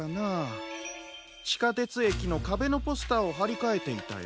ちかてつえきのかべのポスターをはりかえていたよ。